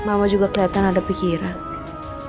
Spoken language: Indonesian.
mama juga kelihatan ada pikiran